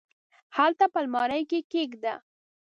هلته په المارۍ کي یې کښېږده !